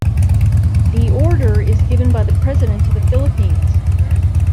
The Order is given by the President of the Philippines.